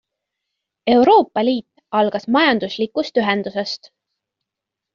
Euroopa Liit algas majanduslikust ühendusest.